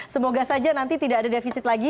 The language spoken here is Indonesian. semoga saja nanti tidak ada defisit lagi